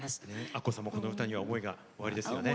アッコさんもこの歌には思いがおありですよね。